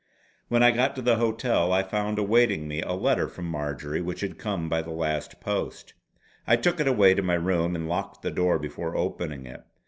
When I got to the hotel I found awaiting me a letter from Marjory which had come by the last post. I took it away to my room and locked the door before opening it.